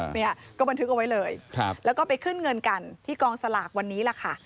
เนี่ยก็บันทึกเอาไว้เลยแล้วก็ไปขึ้นเงินกันที่กองสลากวันนี้ล่ะค่ะ